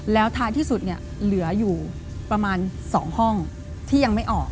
แล้วท้ายที่สุดเนี่ยเหลืออยู่ประมาณ๒ห้องที่ยังไม่ออก